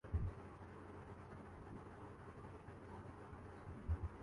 لیکن ہم اس بارے کچھ سوچ نہیں رکھتے۔